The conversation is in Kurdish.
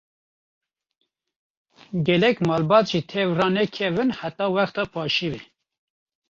Gelek malbat jî tew ranakevin heta wexta paşîvê.